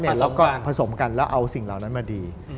แล้วก็ผสมกันแล้วเอาสิ่งเหล่านั้นมาดี